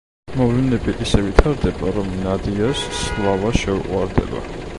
მოვლენები ისე ვითარდება, რომ ნადიას სლავა შეუყვარდება.